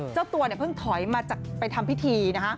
เจ้าตัวเนี่ยเพิ่งถอยมาจากไปทำพิธีนะคะ